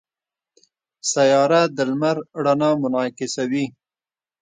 سیاره د لمر رڼا منعکسوي.